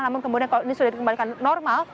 namun kemudian kalau ini sudah dikembalikan normal